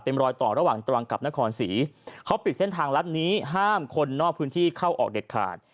เป็นรอยต่อระหว่างตรังกับนครศรีเขาปิดเส้นทางลัดนี้ห้ามคนนอกพื้นที่เข้าออกเด็ดขาด